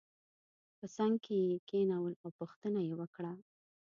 په څنګ کې یې کېنول او پوښتنه یې وکړه.